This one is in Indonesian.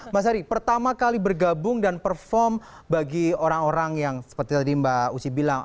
mas ari pertama kali bergabung dan perform bagi orang orang yang seperti tadi mbak usi bilang